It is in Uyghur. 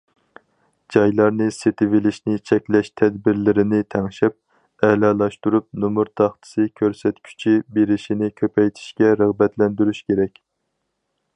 جايلارنى سېتىۋېلىشنى چەكلەش تەدبىرلىرىنى تەڭشەپ، ئەلالاشتۇرۇپ، نومۇر تاختىسى كۆرسەتكۈچى بېرىشنى كۆپەيتىشكە رىغبەتلەندۈرۈش كېرەك.